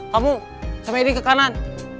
kamu sama edi ke kanan